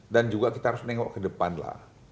dan juga kita harus menengok ke depan lah